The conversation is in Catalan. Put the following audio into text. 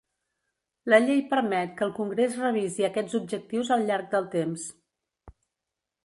La llei permet que el Congrés revisi aquests objectius al llarg del temps.